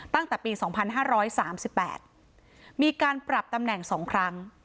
ตั้งแต่ปีสองพันห้าร้อยสามสิบแปดมีการปรับตำแหน่งสองครั้ง